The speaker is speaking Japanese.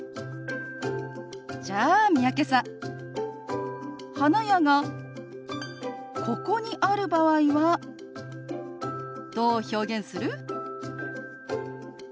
じゃあ三宅さん花屋がここにある場合はどう表現する？